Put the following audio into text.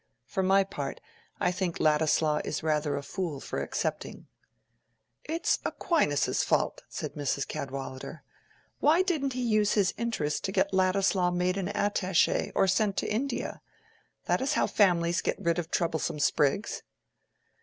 For my part, I think Ladislaw is rather a fool for accepting." "It is Aquinas's fault," said Mrs. Cadwallader. "Why didn't he use his interest to get Ladislaw made an attache or sent to India? That is how families get rid of troublesome sprigs."